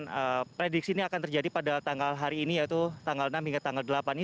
dan prediksi ini akan terjadi pada tanggal hari ini yaitu tanggal enam hingga tanggal delapan ini